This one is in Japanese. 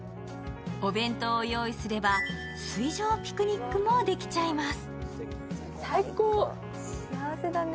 お弁当を用意すれば水上ピクニックもできちゃいます。